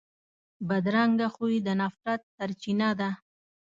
بدرنګه خوی د نفرت سرچینه ده